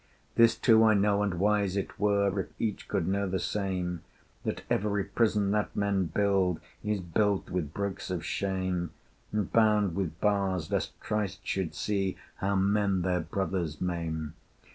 This too I know and wise it were If each could know the same That every prison that men build Is built with bricks of shame, And bound with bars lest Christ should see How men their brothers maim.